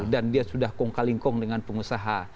dan dia sudah kongkalingkong dengan pengusaha